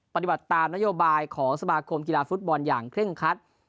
ปฏิบัติตามนโยบายของสมาคมกีฬาฟุตบอลอย่างเคร่งคัด